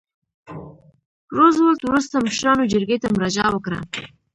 روزولټ وروسته مشرانو جرګې ته مراجعه وکړه.